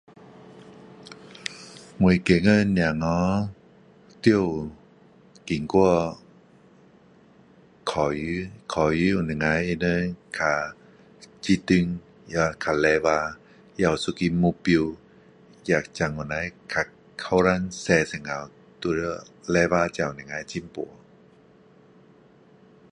我觉得小孩要有经过考试考试能够他们比较集中也比较努力也有一个目标才能够比较年轻比较小的时候就要努力才能够进步